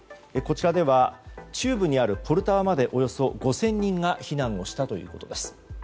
こちらでは中部にあるポルタワまでおよそ５０００人が避難したということです。